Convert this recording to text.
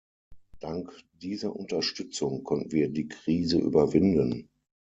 Dank dieser Unterstützung konnten wir die Krise überwinden.